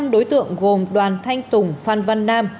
năm đối tượng gồm đoàn thanh tùng phan văn nam